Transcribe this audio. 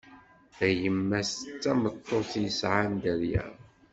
Tayemmat d tameṭṭut yesɛan dderya.